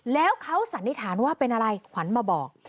แล้วเขาสันนิษฐานว่าเป็นอะไรขวัญมาบอก